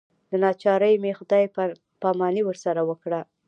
له ناچارۍ مې خدای پاماني ورسره وکړه.